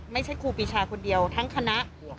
ไม่ใช่ครูปีชาคนเดียวทั้งคณะ